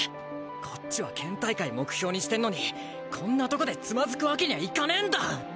こっちは県大会目標にしてんのにこんなとこでつまずくわけにはいかねえんだ！